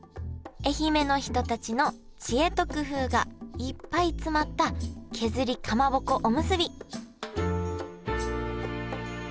愛媛の人たちの知恵と工夫がいっぱい詰まった削りかまぼこおむすび